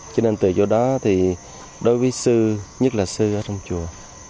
cho nên từ chỗ đó thì đối với sư nhất là sư ở trong chùa